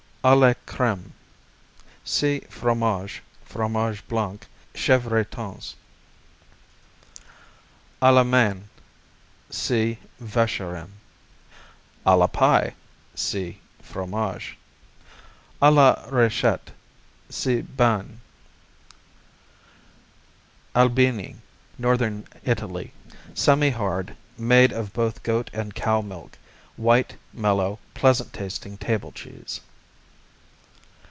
à la Crème see Fromage, Fromage Blanc, Chevretons. à la Main see Vacherin. à la Pie see Fromage. à la Rachette see Bagnes. Albini Northern Italy Semihard; made of both goat and cow milk; white, mellow, pleasant tasting table cheese.